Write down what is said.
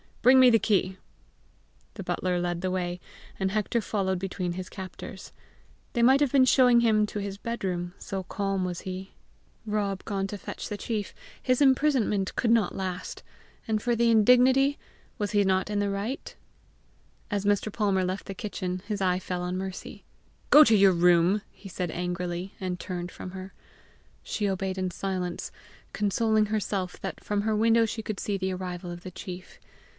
Bring me the key." The butler led the way, and Hector followed between his captors. They might have been showing him to his bed room, so calm was he: Rob gone to fetch the chief, his imprisonment could not last! and for the indignity, was he not in the right! As Mr. Palmer left the kitchen, his eye fell on Mercy. "Go to your room," he said angrily, and turned from her. She obeyed in silence, consoling herself that from her window she could see the arrival of the chief.